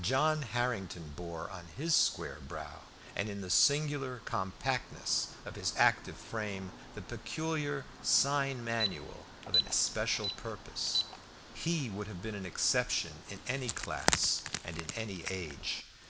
John Harrington bore on his square brow and in the singular compactness of his active frame the peculiar sign manual of an especial purpose. He would have been an exception in any class and in any age.